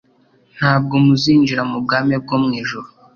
ntabwo muzinjira mu bwami bwo mu ijuru.»